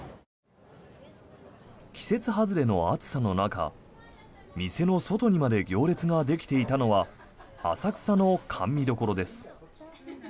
季節外れの暑さの中店の外にまで行列ができていたのは浅草の甘味処です。